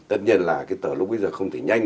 tất nhiên là cái tờ lúc bây giờ không thể nhanh